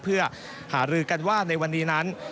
เพื่อหารือกันว่าในวันนี้นั้น